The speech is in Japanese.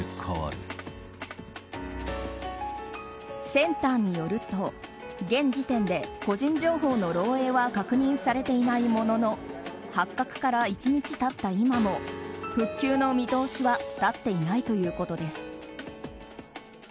センターによると現時点で個人情報の漏洩は確認されていないものの発覚から１日経った今も復旧の見通しは立っていないということです。